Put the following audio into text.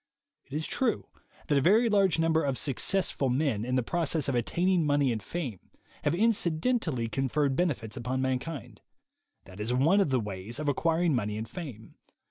It is true that a very large number of Successful Men, in the process of attaining money and fame, have inci dentally conferred benefits upon mankind. That is one of the ways of acquiring money and fame.